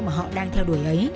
mà họ đang theo đuổi